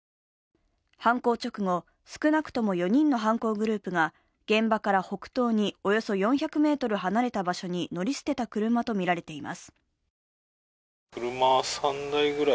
犯行直後、少なくとも４人の犯行グループが現場から北東におよそ４００ｍ離れた場所に乗り捨てた車とみられています。